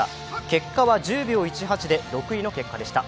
結果は１０秒１８で６位の結果でした。